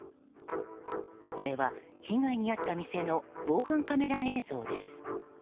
これは、被害に遭った店の防犯カメラ映像です。